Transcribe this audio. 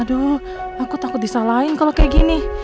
aduh aku takut disalahin kalau kayak gini